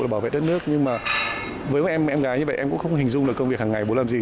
bảo vệ đất nước nhưng mà với em gái như vậy em cũng không hình dung là công việc hằng ngày bố làm gì